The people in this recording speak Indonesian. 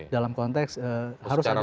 dalam konteks harus ada